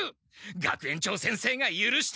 学園長先生がゆるしても。